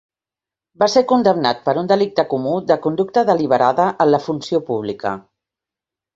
Va ser condemnat per un delicte comú de conducta deliberada en la funció pública.